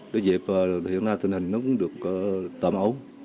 đã dịp và hiện nay tình hình nó cũng được tạm ổn